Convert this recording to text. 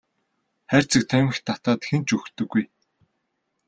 Хайрцаг тамхи татаад хэн ч үхдэггүй.